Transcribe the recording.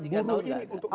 pada buruh ini untuk naik